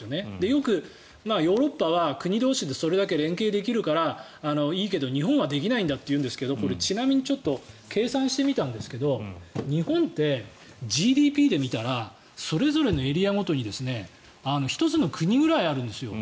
よくヨーロッパは国同士でそれだけ連携できるからいいけど日本はできないというんですがこれ、ちなみに計算してみたんですけど日本ってＧＤＰで見たらそれぞれのエリアごとに１つの国ぐらいあるんですよ。